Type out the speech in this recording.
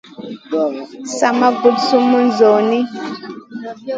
Sa ma guɗ sumun zawni.